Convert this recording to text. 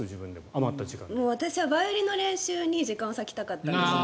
余った時間で私はバイオリンの練習に時間を割きたかったんですよ。